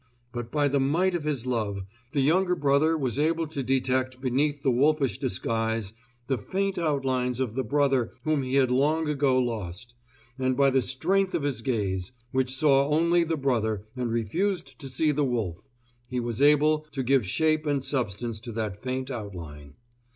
But by the might of his love, the younger brother was able to detect beneath the wolfish disguise the faint outlines of the brother whom he had long ago lost, and by the strength of his gaze, which saw only the brother and refused to see the wolf, he was able to give shape and substance to that faint outline.